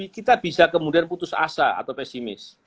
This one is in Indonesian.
kita bisa kemudian putus asa atau pesimis